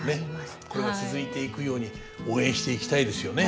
これが続いていくように応援していきたいですよね。